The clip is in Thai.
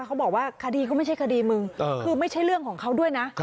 เขาบอกว่าคดีเขาไม่ใช่คดีมึงคือไม่ใช่เรื่องของเขาด้วยนะ